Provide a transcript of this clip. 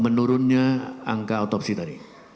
menurunnya angka otopsi tadi